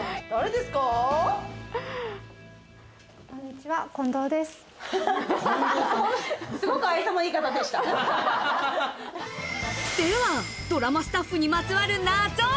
ではドラマスタッフにまつわるナゾ。